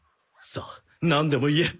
さあなんでも言え。